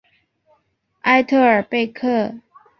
埃特尔贝克。